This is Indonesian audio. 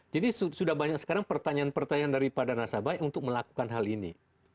jadi sudah banyak sekarang pertanyaan pertanyaan daripada nasabah untuk melakukan hal ini